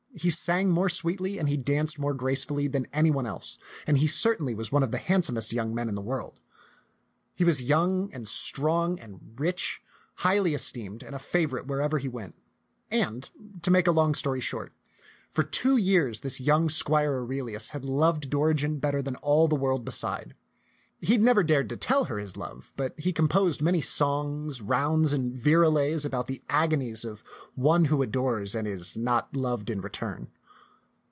He sang more sweetly and he danced more gracefully than any one else, and he certainly was one of the handsomest young men in the world. He was young and strong and rich, highly esteemed, and a favorite wherever he went ; and, to make a long story short, for two years this young squire Aurelius had loved Dorigen better than all the world beside. He had never dared to tell her his love, but he composed many songs, rounds, and virelays about the agonies of one who adores and is not loved in return.